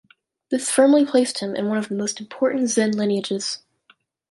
This firmly placed him in one of the most important Zen lineages.